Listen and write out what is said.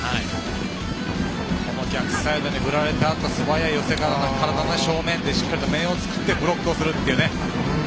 逆サイドに振られたあとすばやい寄せからの体の正面でしっかり面を作ってブロックをするという。